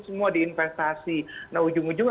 semua di investasi nah ujung ujung